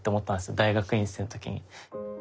大学院生の時に。